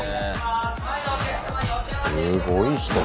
すごい人だ。